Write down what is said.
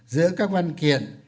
giữa các văn kiện